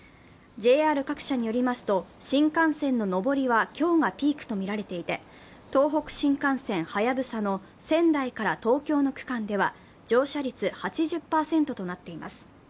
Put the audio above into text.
ＪＲ各社によりますと、新幹線の上りは今日がピークとみられていて、東北新幹線はやぶさの仙台から東京の区間では、乗車率８０％となっています。